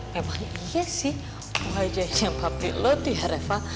memang iya sih wajahnya papi lo tuh ya reva